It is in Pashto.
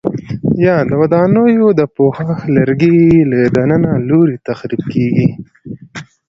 یا د ودانیو د پوښښ لرګي له دننه لوري تخریب کېږي؟